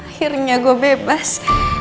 akhirnya gue bebas